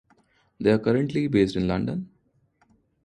They are currently based in London.